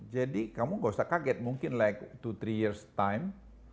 jadi kamu nggak usah kaget mungkin like dua tiga years time